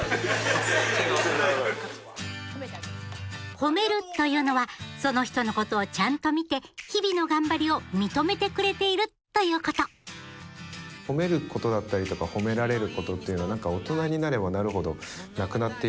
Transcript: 「褒める」というのはその人のことをちゃんと見て日々の頑張りを認めてくれているということ「褒める」「褒められる」